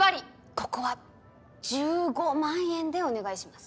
ここは１５万円でお願いします。